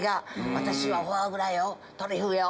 私はフォアグラよトリュフよ